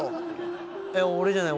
えっ俺じゃない。